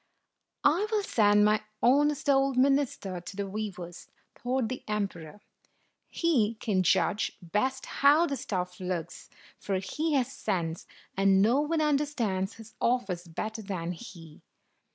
"I will send my honest old minister to the weavers," thought the emperor. " He can judge best how the stuff looks, for he has sense, and no one understands his office better than he."